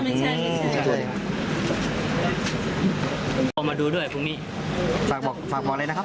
อืมใช่เอามาดูด้วยพรุ่งนี้ฝากบอกฝากบอกเลยนะครับ